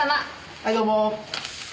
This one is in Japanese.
はいどうも！